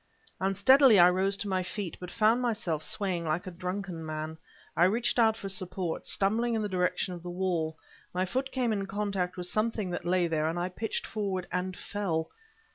Unsteadily I rose to my feet, but found myself swaying like a drunken man. I reached out for support, stumbling in the direction of the wall. My foot came in contact with something that lay there, and I pitched forward and fell....